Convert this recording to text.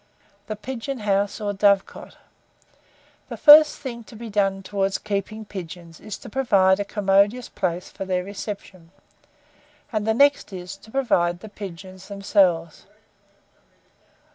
THE PIGEON HOUSE, OR DOVECOT. The first thing to be done towards keeping pigeons is to provide a commodious place for their reception; and the next is, to provide the pigeons themselves.